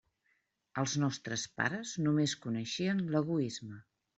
Els nostres pares només coneixien l'egoisme.